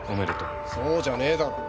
そうじゃねえだろ。